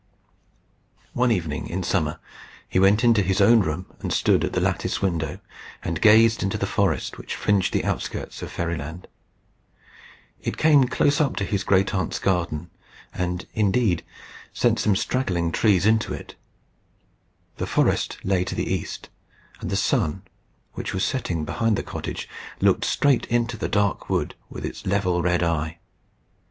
One evening, in summer, he went into his own room, and stood at the lattice window, and gazed into the forest which fringed the outskirts of Fairyland. It came close up to his great aunt's garden, and, indeed, sent some straggling trees into it. The forest lay to the east, and the sun, which was setting behind the cottage, looked straight into the dark wood with his level red eye.